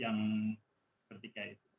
yang ketiga itu